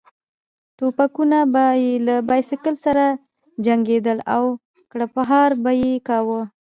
ټوپکونه به یې له بایسکل سره جنګېدل او کړپهار به یې کاوه.